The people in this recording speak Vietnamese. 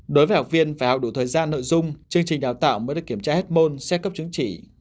đối với học viên phải học đủ thời gian nội dung chương trình đào tạo mới được kiểm tra hết môn xét cấp chứng chỉ